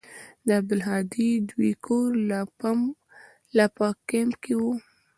د عبدالهادي دوى کور لا په کمپ کښې و.